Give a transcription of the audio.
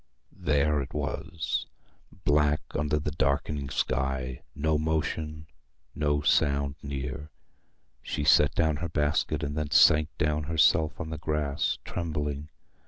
There it was, black under the darkening sky: no motion, no sound near. She set down her basket, and then sank down herself on the grass, trembling.